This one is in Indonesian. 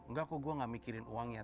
enggak kok gue gak mikirin uangnya